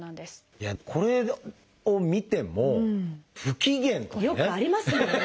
これを見ても「不機嫌」とかね。